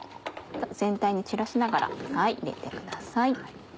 全体に散らしながら入れてください。